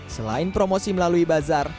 selain promosi melalui bazar